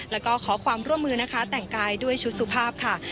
แล้วก็ขอความร่วมมือนะคะแต่งกายด้วยชุดสุภาพค่ะ